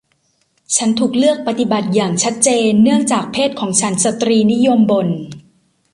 ฉันถูกเลือกปฏิบัติอย่างชัดเจนเนื่องจากเพศของฉันสตรีนิยมบ่น